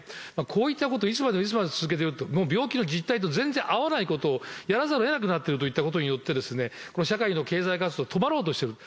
こういったことをいつまでもいつまでも続けると、病気の実態と全然合わないことをやらざるをえなくなっていることによって、この社会の経済活動、止まろうとしてる。